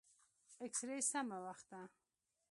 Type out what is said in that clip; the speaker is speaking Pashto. اكسرې سمه وخته.